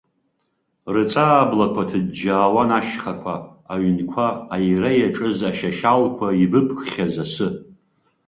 Рҵааблақәа ҭыџьџьаауан ашьхақәа, аҩнқәа, аира иаҿыз ашьашьалқәа, ибыбкхьаз асы.